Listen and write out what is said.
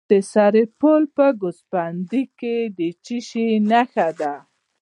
د سرپل په ګوسفندي کې د څه شي نښې دي؟